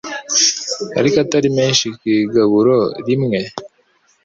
ariko atari menshi ku igaburo rimwe.